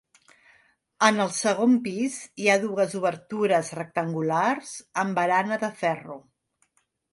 En el segon pis hi ha dues obertures rectangulars amb barana de ferro.